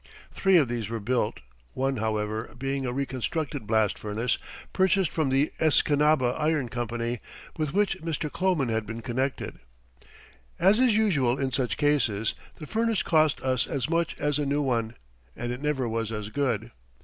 Three of these were built, one, however, being a reconstructed blast furnace purchased from the Escanaba Iron Company, with which Mr. Kloman had been connected. As is usual in such cases, the furnace cost us as much as a new one, and it never was as good.